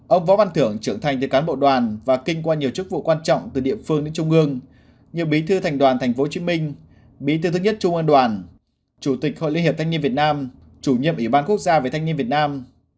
ông võ văn thưởng trưởng thành từ cán bộ đoàn và kinh qua nhiều chức vụ quan trọng từ địa phương đến trung ương nhiều bí thư thành đoàn tp hcm bí thư thứ nhất trung an đoàn chủ tịch hội liên hiệp thanh niên việt nam chủ nhiệm ủy ban quốc gia về thanh niên việt nam